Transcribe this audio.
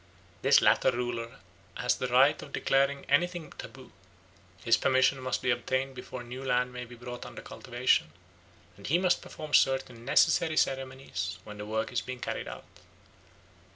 This latter ruler has the right of declaring anything taboo; his permission must be obtained before new land may be brought under cultivation, and he must perform certain necessary ceremonies when the work is being carried out.